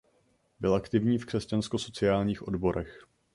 Byl aktivní v křesťansko sociálních odborech.